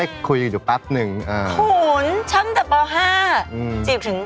อ๋อเป็นเด็กอ้วนเหรออ๋อเป็นเด็กอ้วนเหรอ